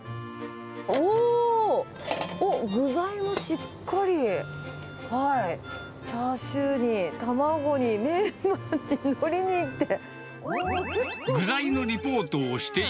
おー、具材もしっかり、チャーシューに卵にメンマにのりにって。